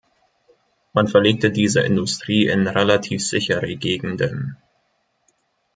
Man verlegte diese Industrie in relativ sichere Gegenden.